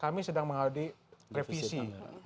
kami sedang menghadapi revisi